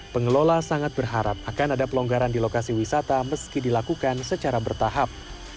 pengelola sangat berharap akan ada pelonggaran di lokasi wisata meski dilakukan secara bertahap